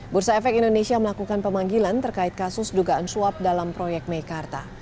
bursa efek indonesia melakukan pemanggilan terkait kasus dugaan suap dalam proyek meikarta